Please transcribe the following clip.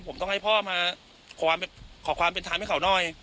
ผมต้องให้พ่อมาขอความขอความเป็นถามให้เขาน่อย